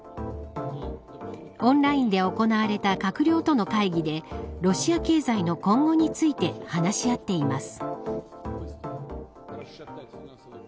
オンラインで行われた閣僚との会議でロシア経済の今後について話し合っています。